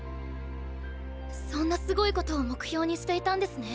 そんなすごいことを目標にしていたんですね。